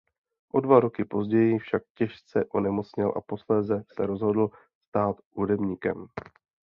O dva roky později však těžce onemocněl a posléze se rozhodl stát hudebníkem.